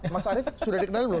mas arief sudah diketahui belum